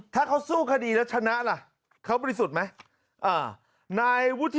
ถ้าเขาสู้คดีแล้วชนะล่ะเขาเป็นที่สุดไหมอ่านายวุฒิ